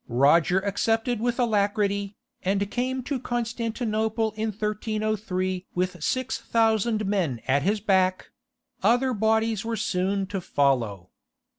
Roger accepted with alacrity, and came to Constantinople in 1303 with 6,000 men at his back; other bodies were soon to follow.